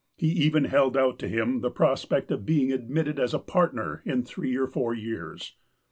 He even held out to him the prospect of being admitted as a partner in three or four years.